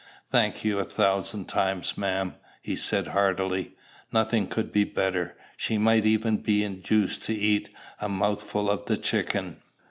"Thank you a thousand times, ma'am," he said heartily; "nothing could be better. She might even be induced to eat a mouthful of the chicken.